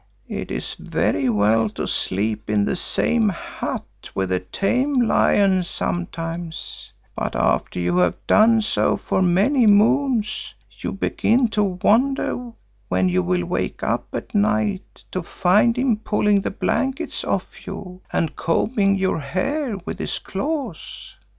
"It is very well to sleep in the same hut with a tame lion sometimes, but after you have done so for many moons, you begin to wonder when you will wake up at night to find him pulling the blankets off you and combing your hair with his claws.